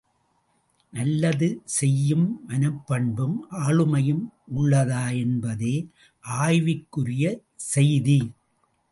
நல்லது செய்யும் மனப்பண்பும் ஆளுமையும் உள்ளதா என்பதே ஆய்வுக்குரிய செய்தி!